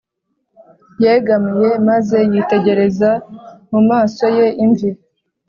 yegamiye maze yitegereza mu maso ye imvi,